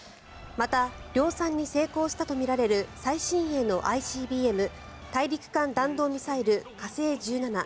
また、量産に成功したとみられる最新鋭のＩＣＢＭ・大陸間弾道ミサイル火星１７